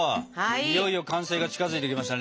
いよいよ完成が近づいてきましたね！